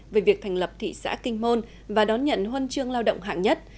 về việc thành lập thị xã kinh môn và đón nhận huân chương lao động hạng nhất